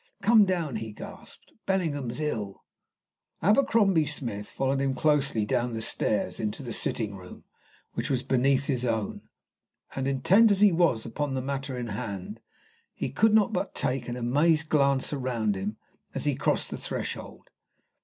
"Come down!" he gasped. "Bellingham's ill." Abercrombie Smith followed him closely down stairs into the sitting room which was beneath his own, and intent as he was upon the matter in hand, he could not but take an amazed glance around him as he crossed the threshold.